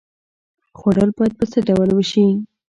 خوړل باید په څه ډول وشي؟